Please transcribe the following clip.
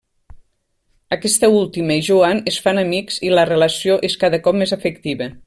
Aquesta última i Joan es fan amics i la relació és cada cop més afectiva.